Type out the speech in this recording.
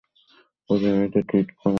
প্রতি মিনিটে টুইট করা হয় পাঁচ লাখের মতো।